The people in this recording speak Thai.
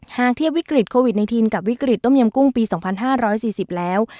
หากเทียบวิกฤตโควิด๑๙กับวิกฤตต้มยำกุ้งปี๒๕๔๐แล้ว